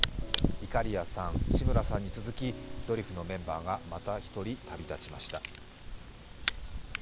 いかりやさん、志村さんに続きドリフのメンバーがまた１人旅立ちました。